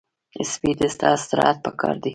سپي ته استراحت پکار دی.